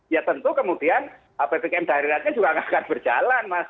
ya tentu kemudian ppk daruratnya juga tidak akan berjalan